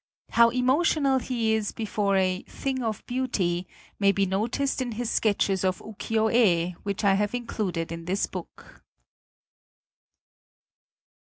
How emotional he is before a "thing of beauty" may be noticed in his sketches of Ukiyoe, which I have included in this book.